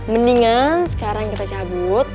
mendingan sekarang kita cabut